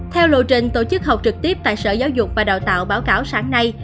theo lộ trình tổ chức học trực tiếp tại sở giáo dục và đào tạo báo cáo sáng nay